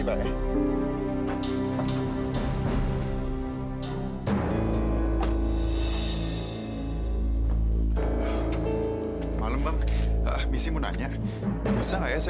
itu tidak berubah selama kita bersama ya tuhan